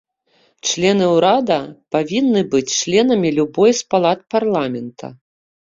Члены ўрада павінны быць членамі любой з палат парламента.